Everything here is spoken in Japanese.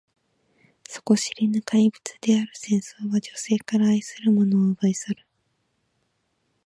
底知れぬ怪物である戦争は、女性から愛する者を奪い去る。